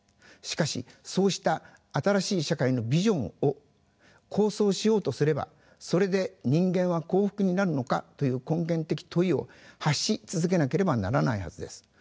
しかしそうした新しい社会のビジョンを構想しようとすればそれで人間は幸福になるのかという根源的問いを発し続けなければならないはずです。